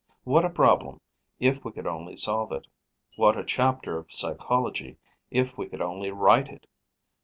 What a problem, if we could only solve it; what a chapter of psychology, if we could only write it!